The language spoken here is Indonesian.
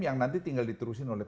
yang nanti tinggal diterusin oleh